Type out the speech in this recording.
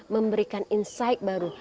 memberikan insight baru